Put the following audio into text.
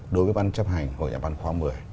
đối với ban chấp hành hội nhà ban khoa một mươi